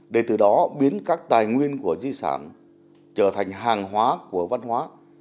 để từ đó biến các tài nguyên của di sản trở thành hàng hóa của văn hóa